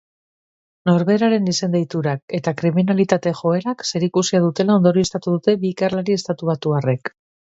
Norberaren izen deiturak eta kriminalitate joerak zerikusia dutela ondorioztatu dute bi ikerlari estatubatuarrek.